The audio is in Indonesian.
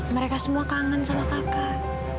mereka semua kangen sama kakak